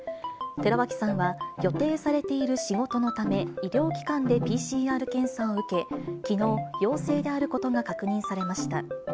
寺脇さんは、予定されている仕事のため、医療機関でＰＣＲ検査を受け、きのう、陽性であることが確認されました。